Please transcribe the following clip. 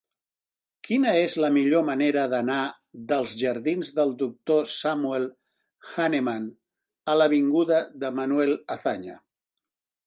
Quina és la millor manera d'anar dels jardins del Doctor Samuel Hahnemann a l'avinguda de Manuel Azaña?